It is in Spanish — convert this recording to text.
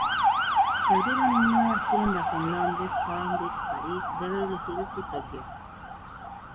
Se abrieron nuevas tiendas en Londres, Palm Beach, Paris, Beverly Hills y Tokyo.